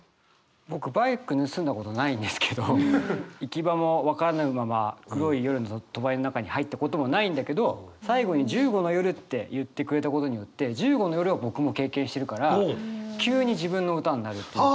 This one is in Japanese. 僕バイク盗んだことないんですけど行き場も解らぬまま黒い夜の帳りの中に入ったこともないんだけど最後に「１５の夜」って言ってくれたことによって１５の夜は僕も経験してるから急に自分の歌になるっていう。